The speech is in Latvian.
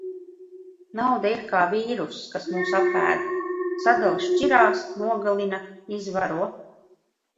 Nauda ir kā vīrsuss, kas mūs apēd. Sadala šķirās, nogalina, izvaro.